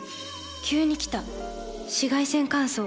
急に来た紫外線乾燥。